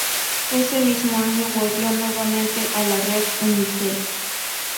Ese mismo año volvió nuevamente a la Red Unitel.